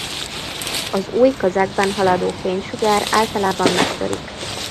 Az új közegben haladó fénysugár általában megtörik.